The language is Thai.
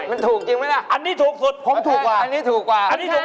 อันนี้ถูกสุด